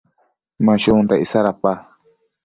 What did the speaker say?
Ma shunta icsa dapa?